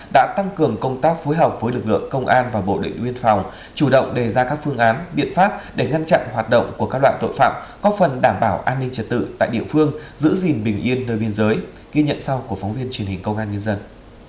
đã tăng cường công tác phối hợp với lực lượng công an và bộ đội biên phòng chủ động đề ra các phương án biện pháp để ngăn chặn hoạt động của các loại tội phạm có phần đảm bảo an ninh trật tự tại địa phương giữ gìn bình yên nơi biên giới ghi nhận sau của phóng viên truyền hình công an nhân dân